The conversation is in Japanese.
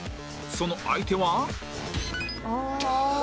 その相手は？